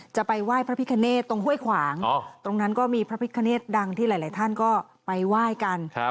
จะไปไหว้พระพิคเนตตรงห้วยขวางตรงนั้นก็มีพระพิคเนตดังที่หลายท่านก็ไปไหว้กัน